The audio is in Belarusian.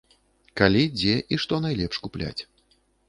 Калі, дзе і што найлепш купляць.